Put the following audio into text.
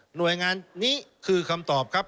หน่วยงานนี้คือคำตอบครับ